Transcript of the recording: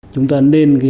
chúng ta nên